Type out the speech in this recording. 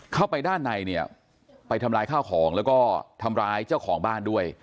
เข้าไปด้านในเนี่ยไปทำร้ายข้าวของแล้วก็ทำร้ายเจ้าของบ้านด้วย